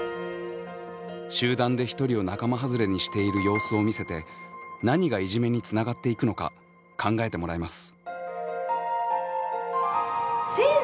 集団で一人を仲間はずれにしている様子を見せて何がいじめにつながっていくのか考えてもらいます。